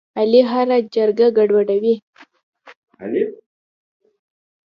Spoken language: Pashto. علي هره جرګه ګډوډوي.